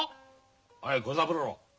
おい小三郎。